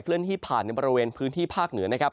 เลื่อนที่ผ่านในบริเวณพื้นที่ภาคเหนือนะครับ